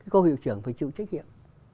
cô hiệu trưởng phải chịu trách nhiệm